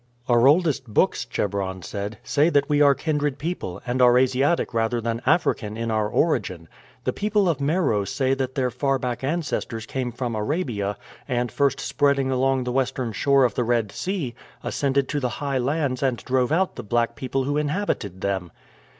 "Our oldest books," Amuba said, "say that we are kindred people, and are Asiatic rather than African in our origin. The people of Meroe say that their far back ancestors came from Arabia, and first spreading along the western shore of the Red Sea, ascended to the high lands and drove out the black people who inhabited them.